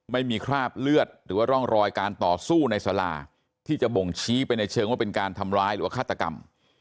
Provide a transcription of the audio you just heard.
ไม่มีคราบเลือดหรือว่าร่องรอยการต่อสู้ในสลาที่จะบ่งชี้ไปในเชิงว่าเป็นการทำร้ายหรือว่าฆาตกรรม